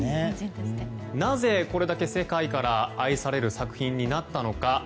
なぜ、これだけ世界から愛される作品になったのか